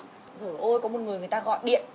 trời ơi có một người người ta gọi điện